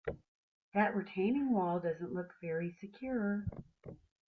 That retaining wall doesn’t look very secure